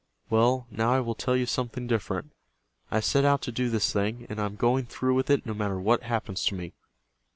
Well, now I will tell you something different. I have set out to do this thing, and I am going through with it no matter what happens to me."